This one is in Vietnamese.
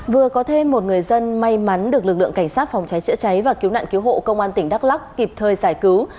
vừa có thêm một người dân may mắn được lực lượng cảnh sát phòng cháy chữa cháy và cứu nạn cứu hộ công an tỉnh đắk lắc kịp thời giải cứu